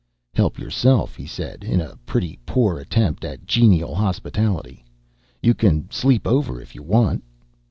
"Help yourself," he said, in a pretty poor attempt at genial hospitality. "You can sleep over, if you want."